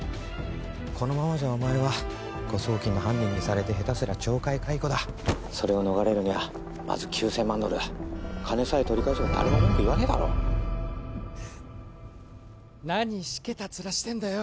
このままじゃお前は誤送金の犯人にされて下手すりゃ懲戒解雇だそれを逃れるにはまず９千万ドルだ金さえ取り返せば誰も文句言わねえだろ何しけたツラしてんだよ